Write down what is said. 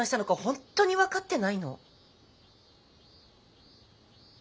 ほんとに分かってないの？